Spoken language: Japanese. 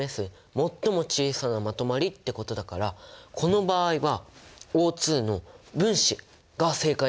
最も小さなまとまりってことだからこの場合はＯの分子が正解なんじゃないかな？